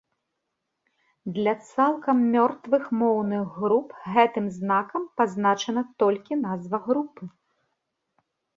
Для цалкам мёртвых моўных груп гэтым знакам пазначана толькі назва групы.